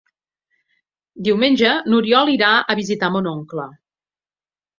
Diumenge n'Oriol irà a visitar mon oncle.